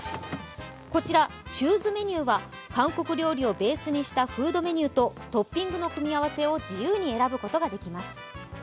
こちら、ｃｈｏｏｓｅメニューは韓国料理をベースにしたフードメニューとトッピングの組み合わせを自由に選ぶことができます。